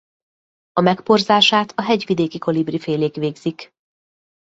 A megporzását a hegyvidéki kolibrifélék végzik.